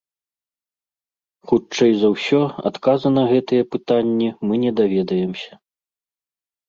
Хутчэй за ўсё, адказы на гэтыя пытанні мы не даведаемся.